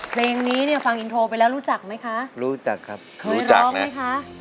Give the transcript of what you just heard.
เพลงนี้เนี่ยฟังอินโทรไปแล้วรู้จักไหมคะรู้จักครับเคยร้องไหมคะ